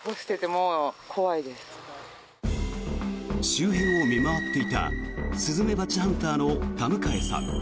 周辺を見回っていたスズメバチハンターの田迎さん。